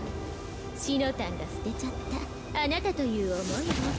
紫乃たんが捨てちゃったあなたという思いを。